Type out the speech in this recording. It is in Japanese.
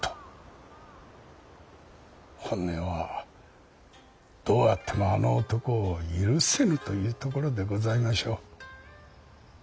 本音はどうあってもあの男を許せぬというところでございましょう。